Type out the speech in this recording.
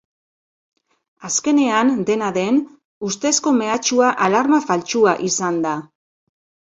Azkenean, dena den, ustezko mehatxua alarma faltsua izan da.